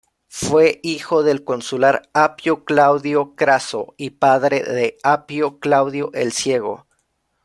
Fue hijo del consular Apio Claudio Craso y padre de Apio Claudio el Ciego.